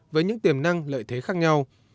với những tiềm năng lợi thế khác nhau